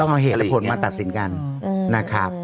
เอาเหตุและผลมาตัดสินกันนะครับ